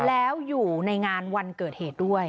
แล้วอยู่ในงานวันเกิดเหตุด้วย